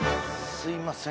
すんません。